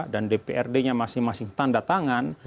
dan dprd nya masing masing tanda tangan